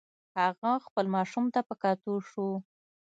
هغه خپل ماشوم ته په کتو شو.